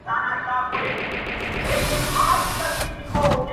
بس ده د خداى لپاره زړه مي مه خوره.